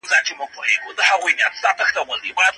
د لويي جرګې د کاري طرزالعمل په اړه څه پوهیږئ؟